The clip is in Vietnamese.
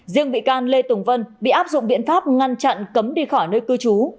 riêng bị can lê tùng vân bị áp dụng biện pháp ngăn chặn cấm đi khỏi nơi cư trú